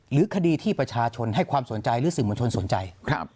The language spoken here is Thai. หรือคดีที่ประชาชนให้ความสนใจรู้สึกบัญชนสนใจครับ